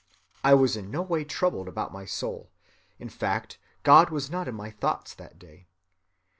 I was in no way troubled about my soul. In fact, God was not in my thoughts that day.